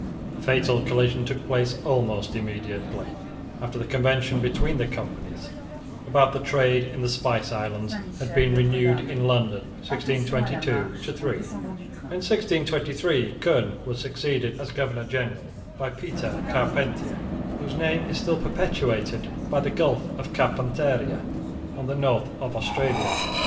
A fatal collision took place almost immediately after the convention between the Companies, about the trade in the spice islands, had been renewed in London, 1622 3. In 1623 Koen was succeeded, as governor general, by Pieter Carpentier, whose name is still perpetuated by the Gulf of Carpentaria on the north of Australia.